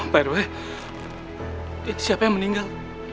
pak rw siapa yang meninggal